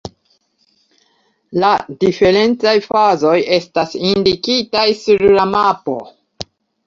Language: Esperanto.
La diferencaj fazoj estas indikitaj sur la mapo.